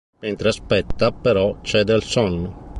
Mentre aspetta, però, cede al sonno.